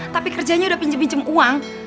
tapi kerjanya udah pinjem pinjem uang